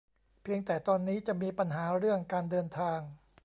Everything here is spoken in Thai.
เพียงแต่ตอนนี้จะมีปัญหาเรื่องการเดินทาง